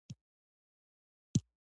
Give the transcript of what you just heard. وردګ ښکلی ولایت دی